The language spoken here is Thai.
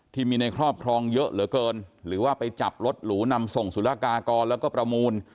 ที่มีในครอบครองเยอะเหลือเกินหรือว่าไปจับรถหรูนำส่งสุรกากรแล้วก็ประมูล